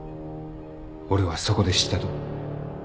俺はそこで知ったと。